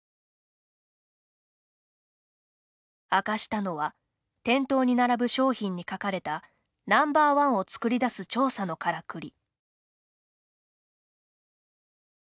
明かしたのは店頭に並ぶ商品に書かれたＮｏ．１を作り出す調査のカラクリ。